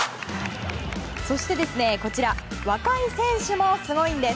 そして、こちら若い選手もすごいんです。